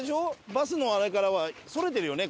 バスのあれからはそれてるよね？